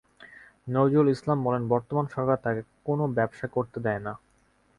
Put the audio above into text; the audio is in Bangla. নজরুল ইসলাম বলেন, বর্তমান সরকার তাঁকে কোনো ব্যবসা করতে দেয় না।